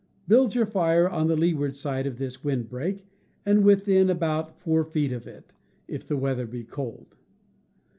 Build your fire on the leeward side of this wind break and within about four feet of it (if the weather be cold).